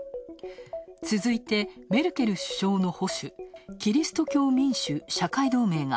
続いてメルケル首相の保守キリスト教民主・社会同盟が